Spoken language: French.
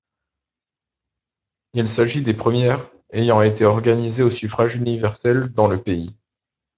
Il s'agit des premières ayant été organisées au suffrage universel dans le pays.